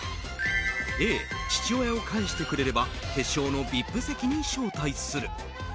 Ａ、父親を返してくれれば決勝のＶＩＰ席に招待する。